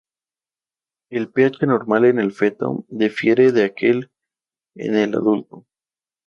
El pH normal en el feto difiere de aquel en el adulto.